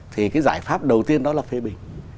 thì cái giải pháp đầu tiên đó là phê bình